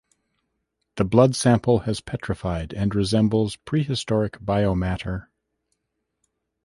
The blood sample has petrified and resembles prehistoric biomatter.